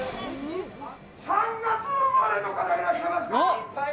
３月生まれの方、いらっしゃいますか。